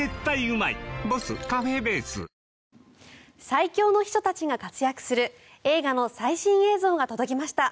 最強の秘書たちが活躍する映画の最新映像が届きました。